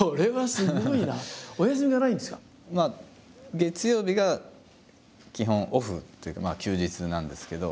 月曜日が基本オフっていうか休日なんですけど。